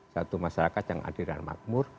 satu masyarakat yang adil dan makmur